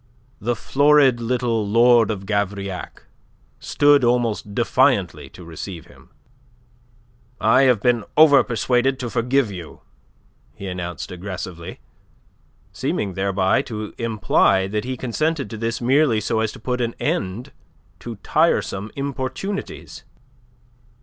The florid little Lord of Gavrillac stood almost defiantly to receive him. "I have been over persuaded to forgive you," he announced aggressively, seeming thereby to imply that he consented to this merely so as to put an end to tiresome importunities.